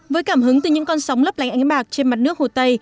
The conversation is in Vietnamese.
với cảm hứng từ những con sóng lấp lánh ánh bạc trên mặt nước hồ tây